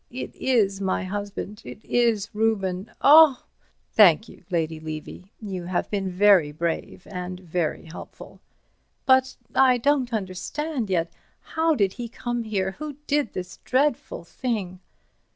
It is my husband. It is Reuben. Oh—" "Thank you, Lady Levy. You have been very brave and very helpful." "But—I don't understand yet. How did he come here? Who did this dreadful thing?"